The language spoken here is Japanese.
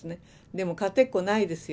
でも勝てっこないですよ。